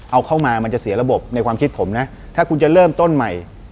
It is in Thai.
เอาเข้ามามันจะเสียระบบในความคิดผมนะถ้าคุณจะเริ่มต้นใหม่